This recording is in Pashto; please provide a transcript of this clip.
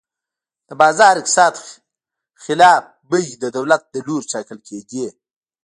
د بازار اقتصاد خلاف بیې د دولت له لوري ټاکل کېدې.